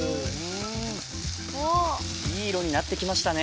いいいろになってきましたね。